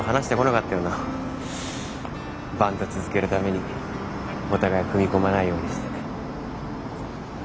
バンド続けるためにお互い踏み込まないようにして。